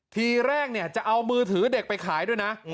ทีแรกจะเอามือถือเด็กไปขายด้วยนะ